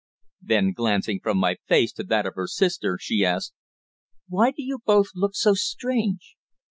Then glancing from my face to that of her sister she asked: "Why do you both look so strange?